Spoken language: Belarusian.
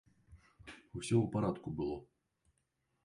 Усё ў парадку было.